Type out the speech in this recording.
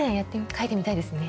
書いてみたいですね。